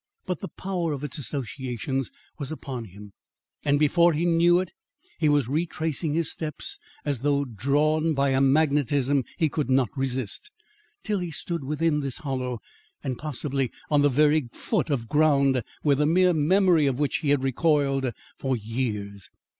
But the power of its associations was upon him, and before he knew it, he was retracing his steps as though drawn by a magnetism he could not resist, till he stood within this hollow and possibly on the very foot of ground from the mere memory of which he had recoiled for years.